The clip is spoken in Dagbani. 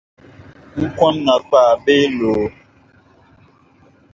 N kom’ nakpaa bee loo?